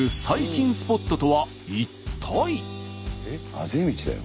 あぜ道だよ？